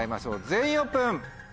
全員オープン！